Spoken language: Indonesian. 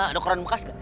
ada koran bekas gak